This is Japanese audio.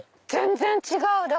全然違う！